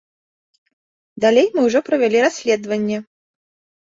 Далей мы ўжо правялі расследаванне.